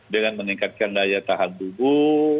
dengan meningkatkan daya tahan tubuh